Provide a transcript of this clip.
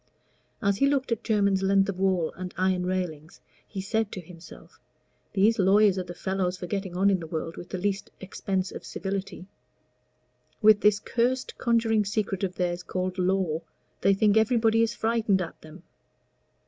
As he looked at Jermyn's length of wall and iron railing, he said to himself, "These lawyers are the fellows for getting on in the world with the least expense of civility. With this cursed conjuring secret of theirs called Law, they think everybody is frightened at them.